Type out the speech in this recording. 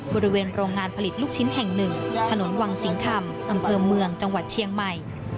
บริเวณโรงงานผลิตลูกชิ้นแห่งหนึ่งถนนวังสิงคำอำเภอเมืองจังหวัดเชียงใหม่